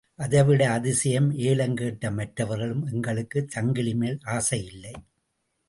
அதைவிட அதிசயம் ஏலம் கேட்ட மற்றவர்களும் எங்களுக்குச் சங்கிலி மேல் ஆசையில்லை.